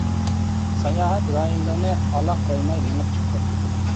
ساياھەت رايونلىرىنى ئالا قويماي مېڭىپ چىقتۇق.